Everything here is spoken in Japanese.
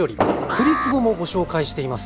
栗つぼもご紹介しています。